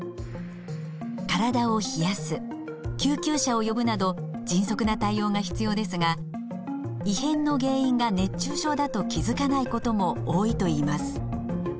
体を冷やす救急車を呼ぶなど迅速な対応が必要ですが異変の原因が熱中症だと気づかないことも多いといいます。